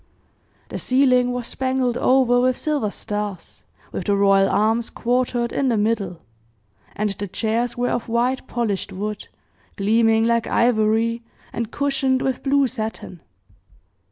The ceiling was spangled over with silver stars, with the royal arms quartered in the middle, and the chairs were of white, polished wood, gleaming like ivory, and cushioned with blue satin.